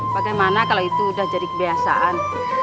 bagaimana kalau itu sudah jadi kebiasaan